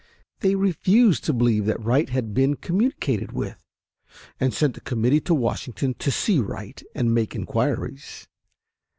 They refused to believe that Wright had been communicated with, and sent a committee to Washington to see Wright and make inquiries.